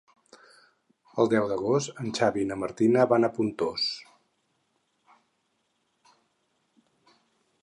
El deu d'agost en Xavi i na Martina van a Pontós.